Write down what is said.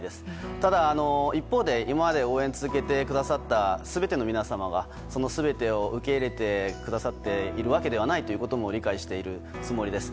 ただ、一方で今まで応援続けてくださった全ての皆様がその全てを受け入れてくださっているわけではないということも理解しているつもりです。